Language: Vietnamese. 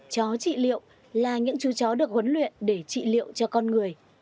chó trị liệu là những chú chó được huấn luyện để trị liệu cho con người